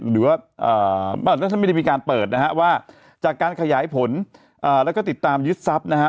หรือว่าท่านไม่ได้มีการเปิดนะฮะว่าจากการขยายผลแล้วก็ติดตามยึดทรัพย์นะฮะ